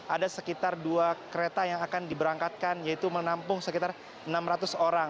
ada sekitar dua kereta yang akan diberangkatkan yaitu menampung sekitar enam ratus orang